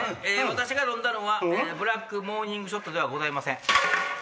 私が飲んだのはブラックモーニングショットではございません。